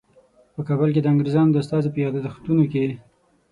په کابل کې د انګریزانو د استازي په یادښتونو کې.